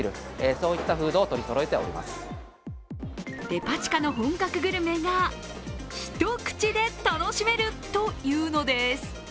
デパ地下の本格グルメが一口で楽しめるというのです。